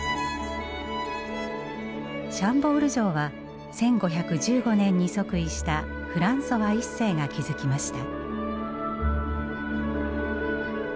シャンボール城は１５１５年に即位したフランソワ一世が築きました。